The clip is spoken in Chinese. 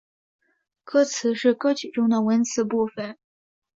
歌词是歌曲中的文词部分。